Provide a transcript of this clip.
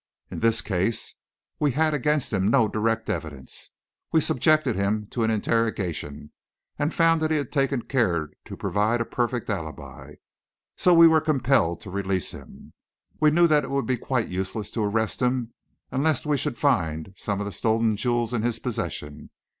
In this case, we had against him no direct evidence; we subjected him to an interrogation and found that he had taken care to provide a perfect alibi; so we were compelled to release him. We knew that it would be quite useless to arrest him unless we should find some of the stolen jewels in his possession.